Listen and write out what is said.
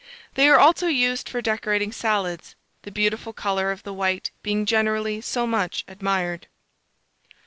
They are also used for decorating salads, the beautiful colour of the white being generally so much admired.